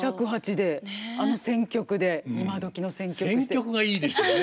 選曲がいいですよね。